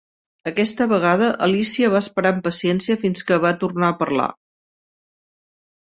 Aquesta vegada Alícia va esperar amb paciència fins que va tornar a parlar.